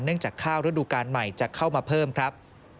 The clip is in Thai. จากข้าวฤดูการใหม่จะเข้ามาเพิ่มครับ